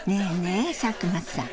え佐久間さん。